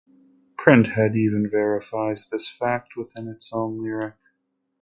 "Printhead" even verifies this fact within its own lyric.